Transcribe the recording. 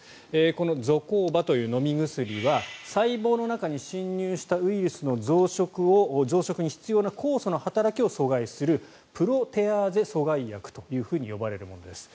このゾコーバという飲み薬は細胞の中に侵入したウイルスの増殖に必要な酵素の働きを阻害するプロテアーゼ阻害薬と呼ばれるものです。